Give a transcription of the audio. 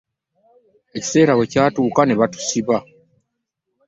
Ekiseera bwe kyatuuka ne batusiba.